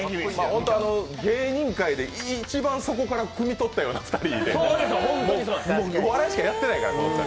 芸人界で一番底からくみ取ったような２人でお笑いしかやってないから。